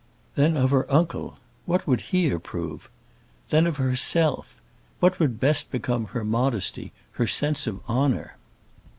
Then of her uncle what he would approve? Then of herself what would best become her modesty; her sense of honour?